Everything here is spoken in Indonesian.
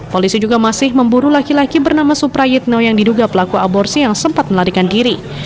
polisi juga masih memburu laki laki bernama suprayitno yang diduga pelaku aborsi yang sempat melarikan diri